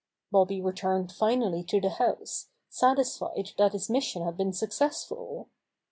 Bobby returned finally to the house, satis fied that his mission had been successful.